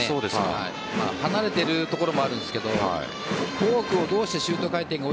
離れているところもあるんですがフォーク、どうしてシュート回転が